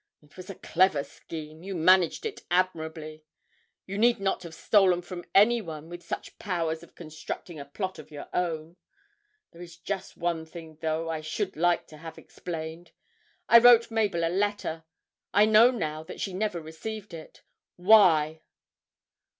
It was a clever scheme you managed it admirably. You need not have stolen from anyone with such powers of constructing a plot of your own! There is just one thing, though, I should like to have explained. I wrote Mabel a letter I know now that she never received it why?'